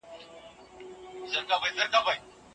انلاين درسونه به زده کوونکي د خپلواکۍ مهارت تمرين کړي.